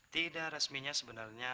tidak resminya sebenarnya